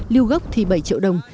lưu gốc thì bảy triệu đồng